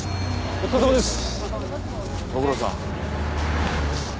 お疲れさまです。